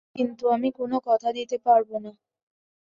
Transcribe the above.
কিন্তু আমি কোনো কথা দিতে পারবো না।